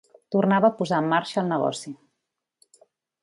Tornava a posar en marxa el negoci.